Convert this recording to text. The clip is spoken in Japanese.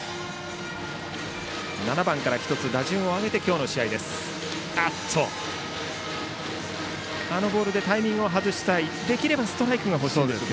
７番から１つ打順を上げて今日の試合です。